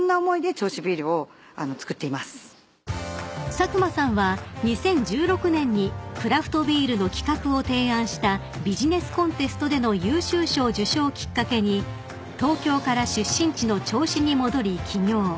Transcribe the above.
［佐久間さんは２０１６年にクラフトビールの企画を提案したビジネスコンテストでの優秀賞受賞をきっかけに東京から出身地の銚子に戻り起業］